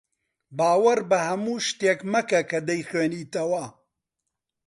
باوەڕ بە هەموو شتێک مەکە کە دەیخوێنیتەوە.